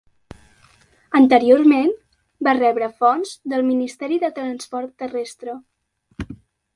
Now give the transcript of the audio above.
Anteriorment, va rebre fons del Ministeri de Transport Terrestre.